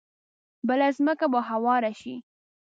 بله ځمکه به هواره شي.